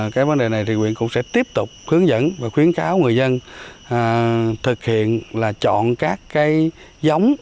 cái vấn đề này thì quyện cũng sẽ tiếp tục hướng dẫn và khuyến cáo người dân thực hiện là chọn các cái giống